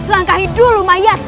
langkahi dulu mayatku